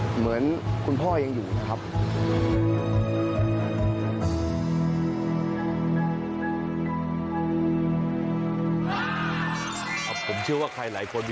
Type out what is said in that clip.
เหมือนคุณพ่อยังอยู่นะครับ